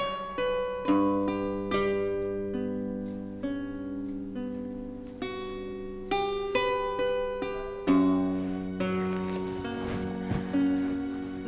assalamualaikum warahmatullahi wabarakatuh